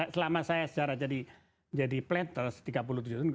selama saya sejarah jadi plantar tiga puluh tujuh tahun